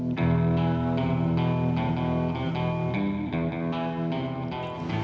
ini semua karena ulah jamaah